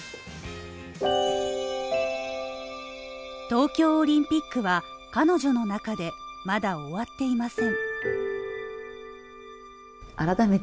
さあ、東京オリンピックは、彼女の中でまだ終わっていません。